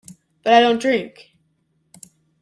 But I don't drink.